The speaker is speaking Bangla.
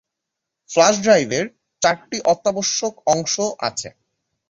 ফ্লাশ ড্রাইভের চারটি অত্যাবশ্যক অংশ আছে।